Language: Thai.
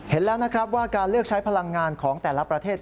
เห็นแล้วนะครับว่าการเลือกใช้พลังงานของแต่ละประเทศ